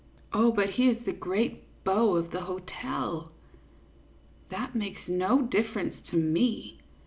" Oh, but he is the great beau of the hotel !" "That makes no difference to me.